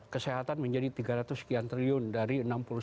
kesehatan menjadi tiga ratus sekian triliun dari enam puluh sembilan